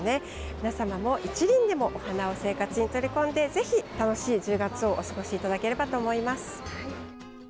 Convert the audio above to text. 皆様も１輪でもお花を生活に取り込んでぜひ楽しい１０月をお過ごしいただければと思います。